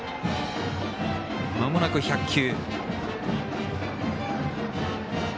まもなく１００球。